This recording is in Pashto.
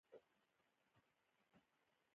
بزګر ته هره بوټۍ دعا ښکاري